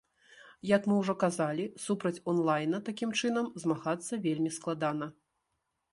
Як мы ужо казалі, супраць онлайна такім чынам змагацца вельмі складана.